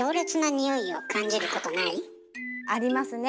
あぁ！ありますね。